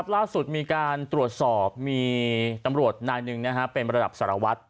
ราศุนย์มีการตรวจสอบมีตำรวจหน้านึงเป็นระดับสารวัฒน์